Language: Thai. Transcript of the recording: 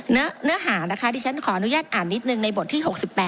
เนื้อหานะคะที่ฉันขออนุญาตอ่านนิดนึงในบทที่๖๘